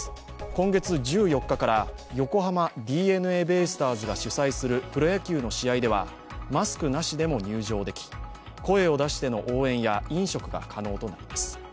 今月１４日から横浜ＤｅＮＡベイスターズが主催するプロ野球の試合ではマスクなしでも入場でき、声を出しての応援や飲食が可能となります。